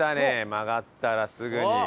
曲がったらすぐに。